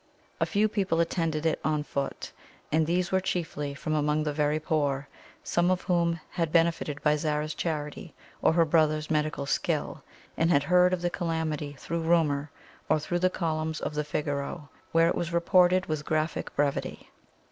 A few people attended it on foot, and these were chiefly from among the very poor, some of whom had benefited by Zara's charity or her brother's medical skill, and had heard of the calamity through rumour, or through the columns of the Figaro, where it was reported with graphic brevity.